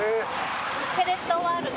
フェレットワールド。